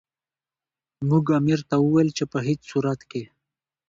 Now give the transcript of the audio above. موږ امیر ته وویل چې په هیڅ صورت کې.